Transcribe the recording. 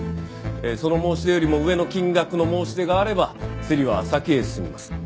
その申し出よりも上の金額の申し出があれば競りは先へ進みます。